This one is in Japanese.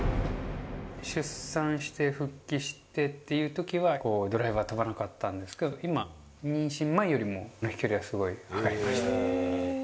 出産して復帰してっていうときは、ドライバーが飛ばなかったんですけど、今、妊娠前よりも飛距離がすごい上がりましたね。